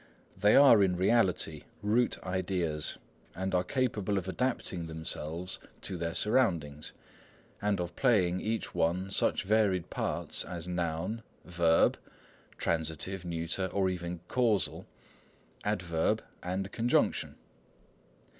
They are in reality root ideas, and are capable of adapting themselves to their surroundings, and of playing each one such varied parts as noun, verb (transitive, neuter, or even causal), adverb, and conjunction.